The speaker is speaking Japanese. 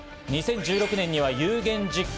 ２０１６年には有言実行。